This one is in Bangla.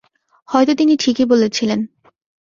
হয়তো তিনি ঠিকই বলেছিলেন।